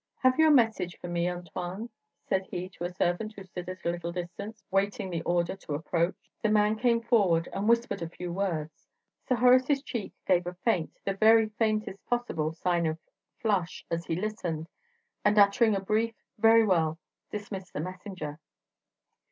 Have you a message for me, Antoine?" said he to a servant who stood at a little distance, waiting the order to approach. The man came forward, and whispered a few words. Sir Horace's cheek gave a faint, the very faintest possible, sign of flush as he listened, and uttering a brief "Very well," dismissed the messenger.